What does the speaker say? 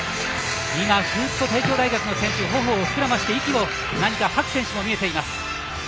今、フーッと帝京大学の選手が頬を膨らまして息を吐く選手も見えています。